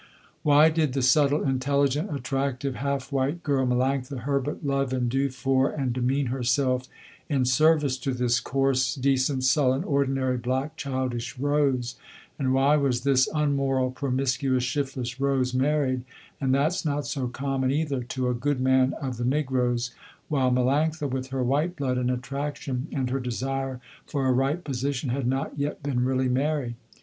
Why did the subtle, intelligent, attractive, half white girl Melanctha Herbert love and do for and demean herself in service to this coarse, decent, sullen, ordinary, black childish Rose, and why was this unmoral, promiscuous, shiftless Rose married, and that's not so common either, to a good man of the negroes, while Melanctha with her white blood and attraction and her desire for a right position had not yet been really married.